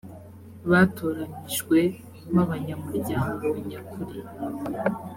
batoranyijwe mu abanyamuryango nyakuri